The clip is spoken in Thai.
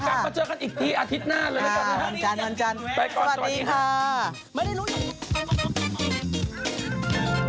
กลับมาเจอกันอีกทีอาทิตย์หน้าเลยนะครับ